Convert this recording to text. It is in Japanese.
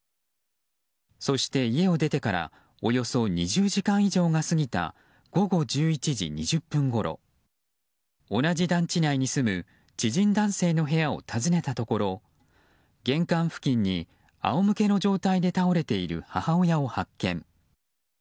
そして家を出てからおよそ２０時間以上が過ぎた午後１１時２０分ごろ同じ団地内に住む知人男性の部屋を訪ねたところ玄関付近にあおむけの状態で倒れている母親を発見。